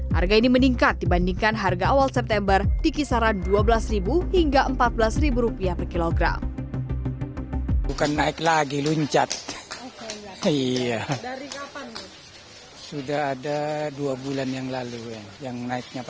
harga ini meningkat dibandingkan harga awal september di kisaran dua belas hingga rp empat belas per kilogram